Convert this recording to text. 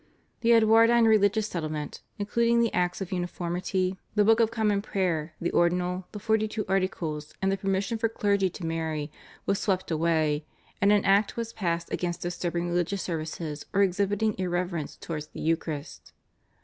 The Edwardine religious settlement, including the Acts of Uniformity, the Book of Common Prayer, the Ordinal, the Forty two Articles and the permission for clergymen to marry, was swept away, and an Act was passed against disturbing religious services or exhibiting irreverence towards the Eucharist.